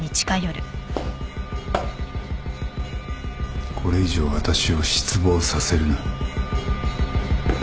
これ以上私を失望させるな。